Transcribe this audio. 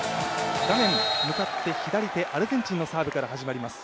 画面向かって左手、アルゼンチンのサーブから始まります。